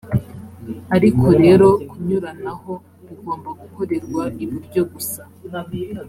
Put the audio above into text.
ariko rero kunyuranaho bigomba gukorerwa iburyo gusa.